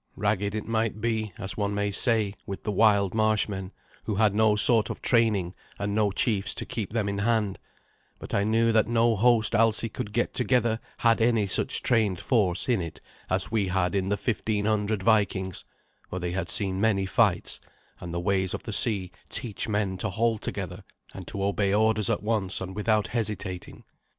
Ragged it might be, as one may say, with the wild marshmen, who had no sort of training and no chiefs to keep them in hand; but I knew that no host Alsi could get together had any such trained force in it as we had in the fifteen hundred Vikings, for they had seen many fights, and the ways of the sea teach men to hold together and to obey orders at once and without hesitating.